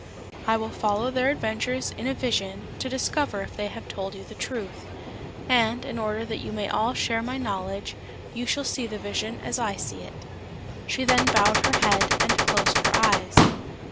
I will follow their adventures in a vision, to discover if they have told you the truth. And, in order that you may all share my knowledge, you shall see the vision as I see it." She then bowed her head and closed her eyes.